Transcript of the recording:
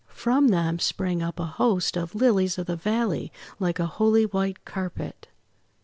From them sprang up a host of Lilies of the Valley, like a holy white carpet.